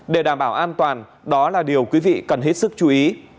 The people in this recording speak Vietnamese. để đảm bảo an toàn đó là điều quý vị cần hết sức chú ý